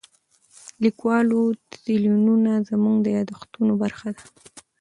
د لیکوالو تلینونه زموږ د یادښتونو برخه ده.